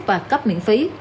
và cấp miễn phí